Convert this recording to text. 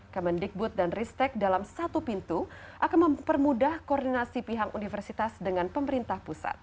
kemendikbud dan ristek dalam satu pintu akan mempermudah koordinasi pihak universitas dengan pemerintah pusat